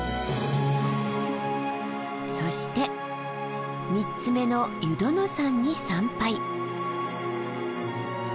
そして３つ目の湯殿山に参拝。